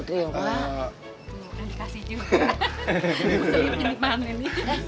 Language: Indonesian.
gak bisa dipanen